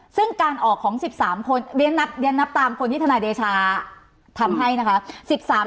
ซึ่งการออกของ๑๓คนเรียนนับตามคนที่ทนายเดชาทำให้นะคะ